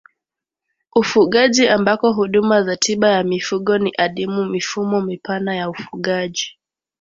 Ufugaji ambako huduma za tiba ya mifugo ni adimu Mifumo mipana ya ufugaji